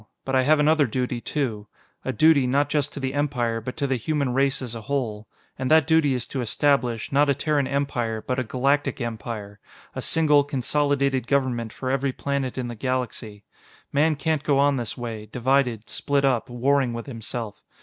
But I have another duty, too. A duty, not just to the Empire, but to the human race as a whole. And that duty is to establish, not a Terran Empire, but a Galactic Empire a single, consolidated government for every planet in the galaxy. Man can't go on this way, divided, split up, warring with himself.